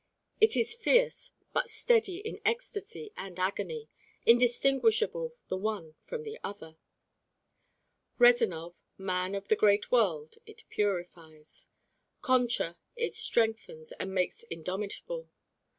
It is fierce but steady in ecstacy and agony, indistinguishable the one from the other. Rezanov, man of the great world, it purifies. Concha it strengthens and makes indomitable.